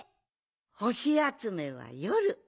ほしあつめはよる。